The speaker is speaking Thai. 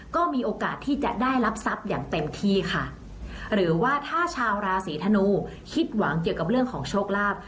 ก็มีโอกาสที่จะได้รับทรัพย์อย่างเต็มที่ค่ะหรือว่าถ้าชาวราศีธนูคิดหวังเกี่ยวกับเรื่องของโชคลาภ